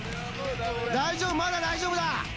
大丈夫だ、まだ大丈夫だ。